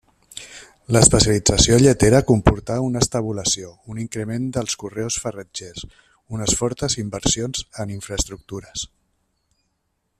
L'especialització lletera comportà una estabulació, un increment dels conreus farratgers, unes fortes inversions en infraestructures.